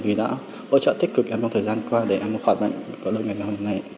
vì đã hỗ trợ tích cực em trong thời gian qua để em có khỏi bệnh có được ngày nào hôm nay